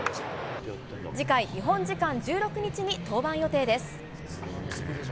次回、日本時間１６日に登板予定です。